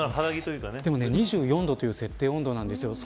でも、２４度という設定温度なんどですよ。